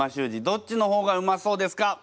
どっちの方がうまそうですか？